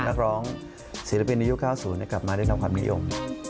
นักร้องศิลปินในยุค๙๐กลับมาได้รับความนิยม